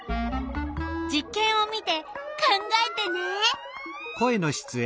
実けんを見て考えてね！